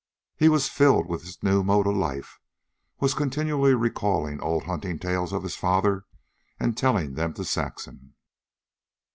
He was filled with this new mode of life, and was continually recalling old hunting tales of his father and telling them to Saxon.